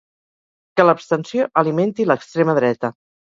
Que l’abstenció alimenti l’extrema dreta.